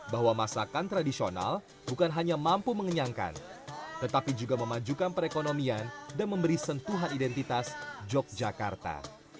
bahwa masakan tradisional bukan hanya mampu mengenyangkan tetapi juga memajukan perekonomian dan memberi sentuhan identitas yogyakarta